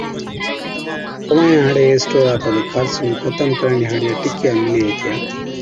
دوائِيان هاڙي اسٽورا پر خارسي نُون ختم ڪرڻي هاڙِيا ٽِڪِيا مِلي هِتِيا۔